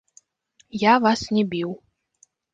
Я вас не біў.